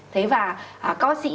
thế và có sĩ